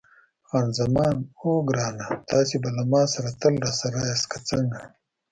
خان زمان: اوه ګرانه، تاسي به له ما سره تل راسره یاست، که څنګه؟